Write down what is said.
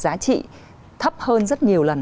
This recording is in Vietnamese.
giá trị thấp hơn rất nhiều lần